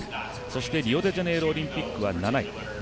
そしてリオデジャネイロオリンピックは７位。